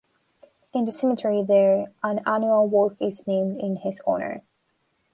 In the cemetery there, an annual walk is named in his honor.